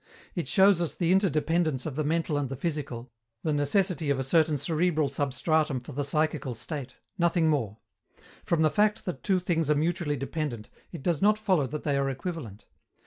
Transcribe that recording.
It shows us the interdependence of the mental and the physical, the necessity of a certain cerebral substratum for the psychical state nothing more. From the fact that two things are mutually dependent, it does not follow that they are equivalent.